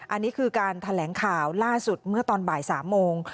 อันนี้คือการแถลงข่าวล่าสุดเมื่อตอนบ่าย๓โมง